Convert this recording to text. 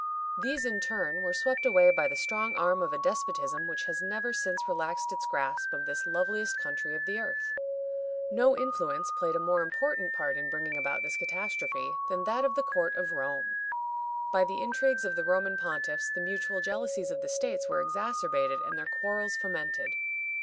These, in turn, were swept away by the strong arm of a despotism which has never since relaxed its grasp of this loveliest country of the earth. No influence played a more important part in bringing about this catastrophe than that of the court of Rome. By the intrigues of the Roman pontiffs the mutual jealousies of the states were exacerbated and their quarrels fomented.